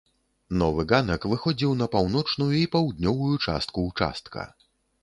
Новы ганак выходзіў на паўночную і паўднёвую частку ўчастка.